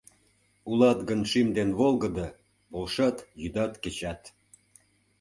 Улат гын шӱм ден волгыдо, Полшат йӱдат-кечат.